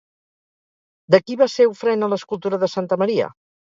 De qui va ser ofrena l'escultura de santa Maria?